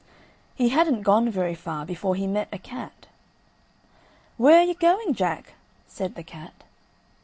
He hadn't gone very far before he met a cat. "Where are you going, Jack?" said the cat.